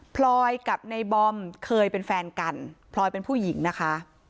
พลอยกับในบอมเคยเป็นแฟนกันพลอยเป็นผู้หญิงนะคะ